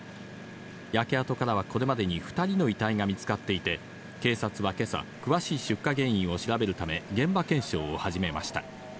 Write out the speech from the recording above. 焼け跡からは、これまでに２人の遺体が見つかっていて、警察は今朝、詳しい出火原因を調べるため、現場検証を始めました。